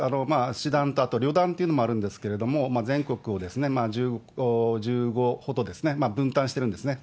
師団とあと旅団というのもあるんですけれども、全国を１５ほど分担してるんですね。